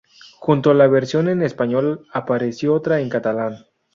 Junto a la versión en español apareció otra en catalán.